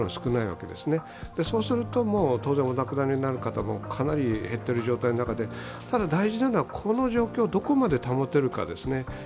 そうすると当然、お亡くなりになる方もかなり減っている中でただ、大事なのはこの状況をどこまで保てるかですね。